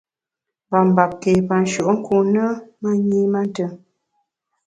Pa mbap ké pa nshùenkun ne, ma nyi mantùm.